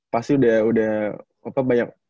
pasti udah udah apa banyak